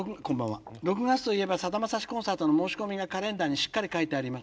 「６月といえばさだまさしコンサートの申し込みがカレンダーにしっかり書いてあります」。